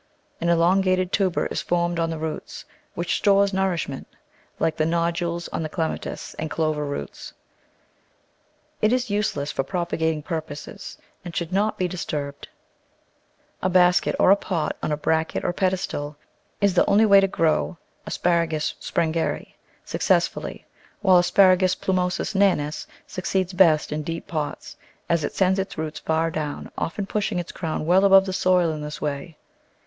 An elongated tuber is formed on the roots, which stores nourishment — like the nodules on the Clematis and Clover roots. It is use less for propagating purposes, and should not be dis turbed. A basket or a pot on a bracket or pedestal is the only way in which to grow A. Sprengeri success fully, while A. plumosus nanus succeeds best in deep pots, as it sends its roots far down, often pushing its crown well above the soil in this way.